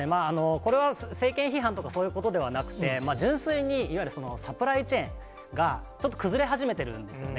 これは政権批判とか、そういうことではなくて、純粋に、いわゆるサプライチェーンがちょっと崩れ始めてるんですよね。